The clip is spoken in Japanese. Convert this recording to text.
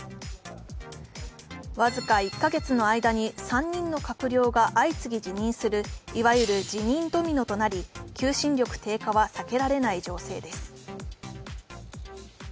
僅か１か月の間に３人の閣僚が相次ぎ辞任するいわゆる辞任ドミノとなり、求心力低下は避けられない情勢です。